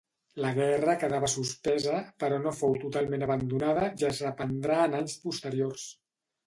La guerra quedava suspesa però no fou totalment abandonada i es reprendrà en anys posteriors.